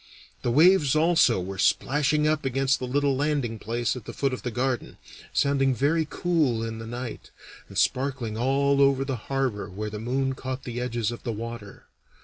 The waves also were splashing up against the little landing place at the foot of the garden, sounding very cool in the night, and sparkling all over the harbor where the moon caught the edges of the water.